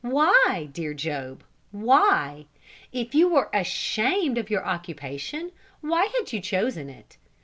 Why? dear Job, why? If you were ashamed of your occupation, why had you chosen it?